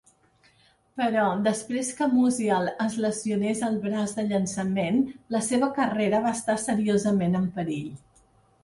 Però, desprès que Musial es lesionés el braç de llançament, la seva carrera va estar seriosament en perill.